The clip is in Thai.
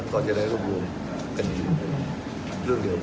ก็จะได้รูปรวงเป็นเรื่องเดียวกัน